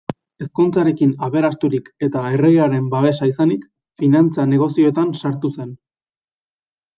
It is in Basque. Ezkontzarekin aberasturik eta erregearen babesa izanik, finantza-negozioetan sartu zen.